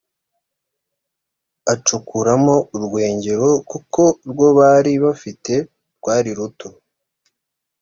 acukuramo urwengero kuko urwo bari bafite rwari ruto